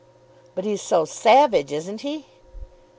"But he's so savage; isn't he?"